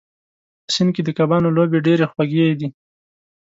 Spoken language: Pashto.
په سیند کې د کبانو لوبې ډېرې خوږې دي.